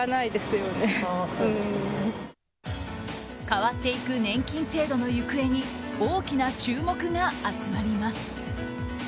変わっていく年金制度の行方に大きな注目が集まります。